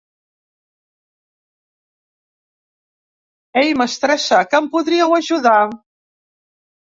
Ei, mestressa! que em podríeu ajudar?